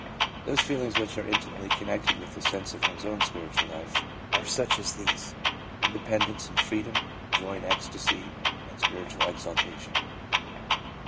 Those feelings which are intimately connected with the sense of one's own spiritual life are such as these : independence and freedom, joy and ecstasy, and spiritual exaltation.